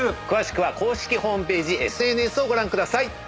詳しくは公式ホームページＳＮＳをご覧ください。